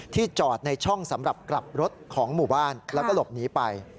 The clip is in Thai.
จอดในช่องสำหรับกลับรถของหมู่บ้านแล้วก็หลบหนีไป